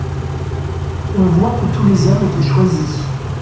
On voit que tous les hommes étaient choisis.